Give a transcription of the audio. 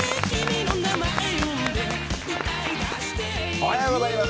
おはようございます。